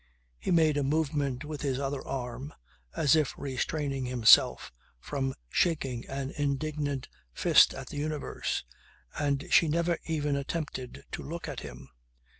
He made a movement with his other arm as if restraining himself from shaking an indignant fist at the universe; and she never even attempted to look at him.